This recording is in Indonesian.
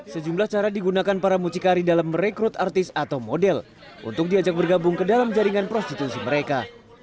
sejumlah cara digunakan para mucikari dalam merekrut artis atau model untuk diajak bergabung ke dalam jaringan prostitusi mereka